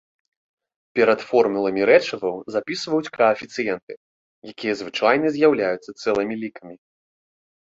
Перад формуламі рэчываў запісваюць каэфіцыенты, якія звычайна з'яўляюцца цэлымі лікамі.